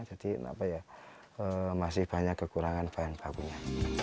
jadi apa ya masih banyak kekurangan bahan bakunya